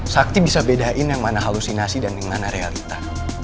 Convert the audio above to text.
sakti bisa bedain yang mana halusinasi dan yang mana realita